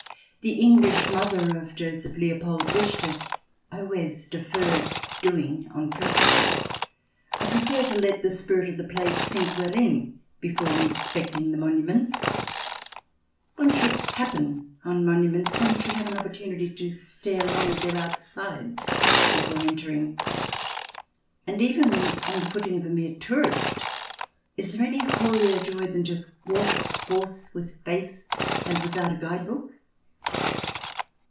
The English mother of Joseph Leopold wished it. I always defer " doing " on principle ; I prefer to let the spirit of a place sink well in before inspecting the monu ments. One should happen on monuments, one should have an opportunity to stare long at their outsides before entering. And even on the footing of a mere tourist, is there any holier joy than to walk forth with faith and without a guide book